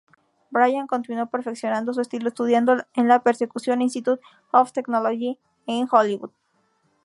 Bryan continuó perfeccionando su estilo estudiando en la "Percussion Institute of Technology" en Hollywood.